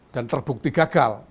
dan terbukti gagal